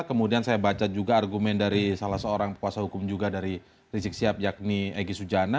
kemudian saya baca juga argumen dari salah seorang kuasa hukum juga dari rizik sihab yakni egy sujana